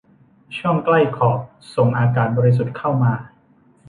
ช่องใกล้ขอบส่งอากาศบริสุทธิ์เข้ามา